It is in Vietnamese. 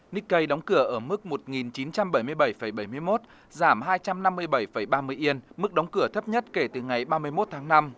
nikkei đóng cửa ở mức một chín trăm bảy mươi bảy bảy mươi một giảm hai trăm năm mươi bảy ba mươi yên mức đóng cửa thấp nhất kể từ ngày ba mươi một tháng năm